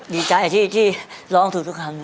ดีใจที่ร้องถูกทุกที